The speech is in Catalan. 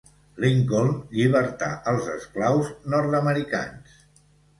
Lincoln llibertà els esclaus nord-americans.